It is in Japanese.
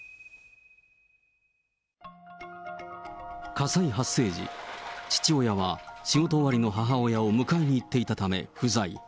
火災発生時、父親は仕事終わりの母親を迎えに行っていたため、不在。